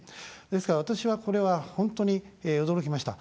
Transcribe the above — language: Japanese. ですから私は、これは本当に驚きました。